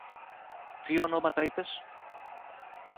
Τι ονόματα είπες;